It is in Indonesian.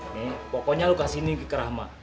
nih pokoknya lu kasih ini ke rahma